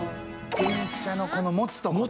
電車のこの持つとこだ。